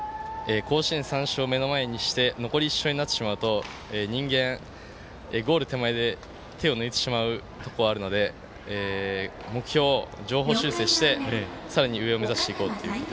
甲子園３勝を目の前にして残り１勝になってしまうと人間、ゴール手前で手を抜いてしまうところがあるので目標を上方修正して、さらに上を目指していこうという。